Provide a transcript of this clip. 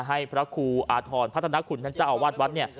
ให้พระครูอธรรณพระธนคุณท่านเจ้าอวาดวัดเนี่ย